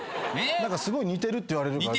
すごい似てるって言われるから。